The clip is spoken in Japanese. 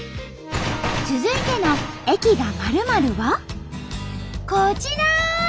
続いての「駅が○○」はこちら！